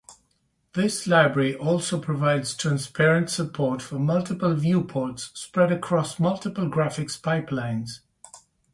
This library also provides transparent support for multiple viewports spread across multiple graphics pipelines.